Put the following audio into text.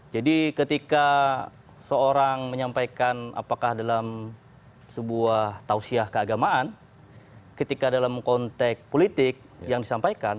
jadi ketika seorang menyampaikan apakah dalam sebuah tausiah keagamaan ketika dalam konteks politik yang disampaikan